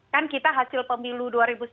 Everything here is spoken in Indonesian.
kan kita hasil pemilu dua ribu sembilan belas